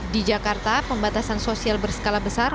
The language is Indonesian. di jakarta pembatasan sosial berskala besar